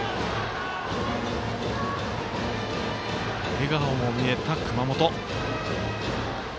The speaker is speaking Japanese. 笑顔も見えた、熊本。